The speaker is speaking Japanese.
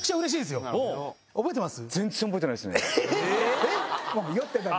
覚えてます？